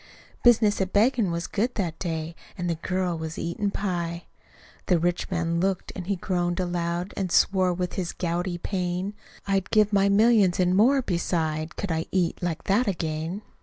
Business at beggin' was good that day, An' the girl was eatin' pie. The rich man looked, an' he groaned aloud, An' swore with his gouty pain. "I'd give my millions, an' more beside, Could I eat like that again!"